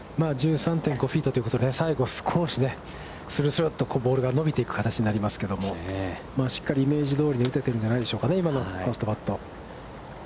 １３．５フィートということで、最後少し、スルスルッとボールが伸びていく形になりますけど、しっかりイメージどおりに打ててるんじゃないでしょうかね、今のファーストカットは。